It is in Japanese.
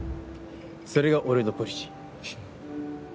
それが俺のポリシー。